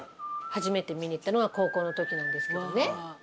初めて見に行ったのは高校のときなんですけどね。